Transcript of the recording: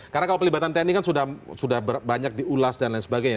karena kalau pelibatan tni kan sudah banyak diulas dan lain sebagainya